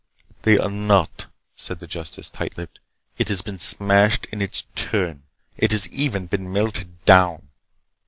"They are not," said the justice, tight lipped. "It has been smashed in its turn. It has even been melted down."